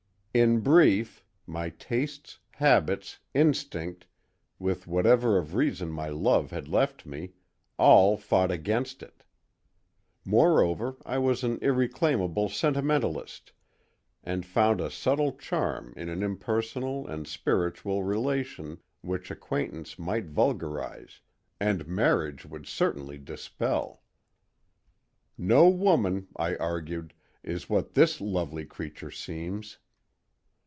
In brief, my tastes, habits, instinct, with whatever of reason my love had left me—all fought against it. Moreover, I was an irreclaimable sentimentalist, and found a subtle charm in an impersonal and spiritual relation which acquaintance might vulgarize and marriage would certainly dispel. No woman, I argued, is what this lovely creature seems.